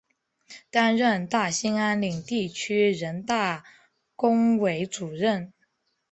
担任大兴安岭地区人大工委主任。